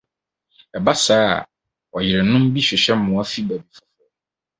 Ɛba saa a ɔyerenom bi hwehwɛ mmoa fi baabi foforo.